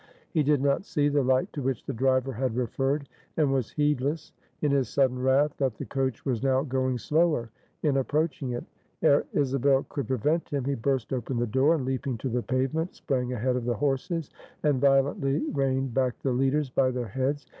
He did not see the light to which the driver had referred; and was heedless, in his sudden wrath, that the coach was now going slower in approaching it. Ere Isabel could prevent him, he burst open the door, and leaping to the pavement, sprang ahead of the horses, and violently reined back the leaders by their heads.